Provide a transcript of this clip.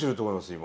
今。